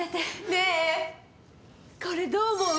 ねえこれどう思う？